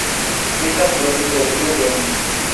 Es afluente del río Beni.